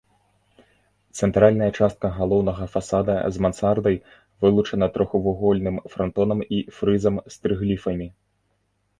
Цэнтральная частка галоўнага фасада з мансардай вылучана трохвугольным франтонам і фрызам з трыгліфамі.